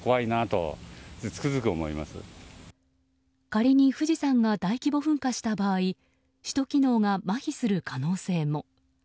仮に富士山が大規模噴火した場合首都機能がまひする可能性も。